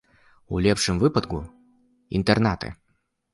У лепшым выпадку, інтэрнаты.